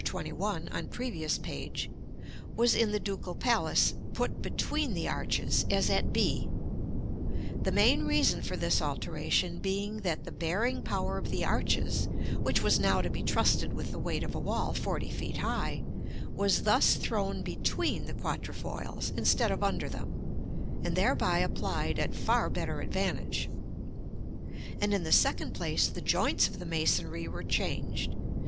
XXI., on previous page, was, in the Ducal Palace, put between the arches, as at b; the main reason for this alteration being that the bearing power of the arches, which was now to be trusted with the weight of a wall forty feet high, was thus thrown between the quatrefoils, instead of under them, and thereby applied at far better advantage. And, in the second place, the joints of the masonry were changed.